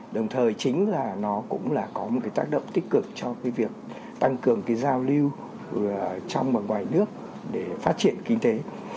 đồng thời chính là nó cũng là có một tác động tích cực cho việc tăng cường giao lưu trong và ngoài nước để phát triển kinh tế